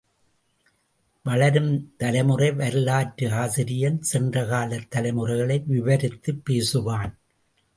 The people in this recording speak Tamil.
வளரும் தலைமுறை வரலாற்று ஆசிரியன் சென்ற காலத் தலைமுறைகளை விவரித்துப் பேசுவான்.